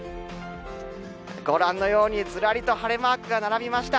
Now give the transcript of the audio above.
ご覧のようにずらりと晴れマークが並びました。